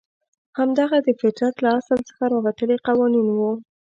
همدغه د فطرت له اصل څخه راوتلي قوانین وو.